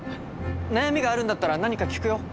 悩みがあるんだったら何か聞くよ。